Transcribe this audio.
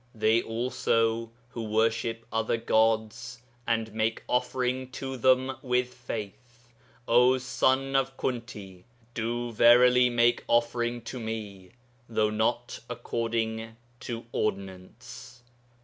'They also who worship other gods and make offering to them with faith, O son of Kunti, do verily make offering to me, though not according to ordinance.'